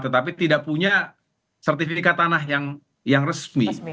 tetapi tidak punya sertifikat tanah yang resmi